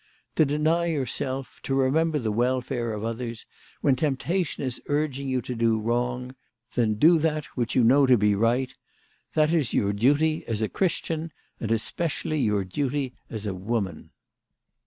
To deny yourself, to remember the welfare of others, when temptation is urging you to do wrong, then do that which you know to be right, that is your duty as a Christian, and especially your duty as a woman.